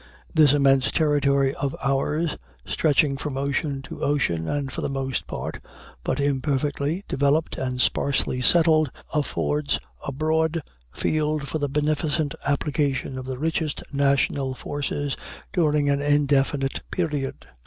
This immense territory of ours, stretching from ocean to ocean, and for the most part but imperfectly developed and sparsely settled, affords a broad field for the beneficent application of the richest national forces during an indefinite period.